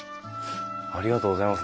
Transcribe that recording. ありがとうございます。